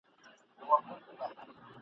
چي تر څو پوري د زور توره چلیږي !.